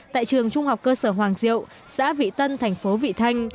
tại trường trung học cơ sở hoàng diệu xã vị tân thành phố vị thanh